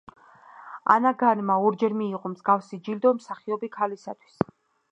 ანა განმა ორჯერ მიიღო მსგავსი ჯილდო მსახიობი ქალისთვის.